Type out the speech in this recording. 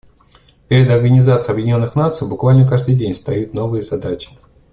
Перед Организацией Объединенных Наций буквально каждый день встают новые задачи.